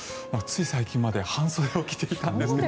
つい最近まで半袖を着ていたんですが。